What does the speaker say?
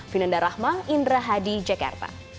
vinanda rahma indra hadi jakarta